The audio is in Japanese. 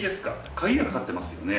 鍵がかかってますよね。